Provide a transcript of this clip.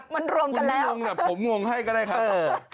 มันรวมกันแล้วคุณงงน่ะผมงงให้ก็ได้ครับเออ